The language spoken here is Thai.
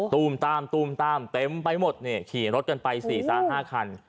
ตูมตามตูมตามเต็มไปหมดเนี่ยขี่รถกันไปสี่สามห้าคัน